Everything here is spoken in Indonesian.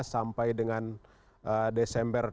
sampai dengan desember